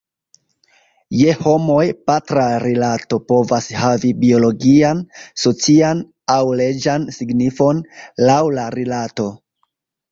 Je homoj, patra rilato povas havi biologian, socian, aŭ leĝan signifon, laŭ la rilato.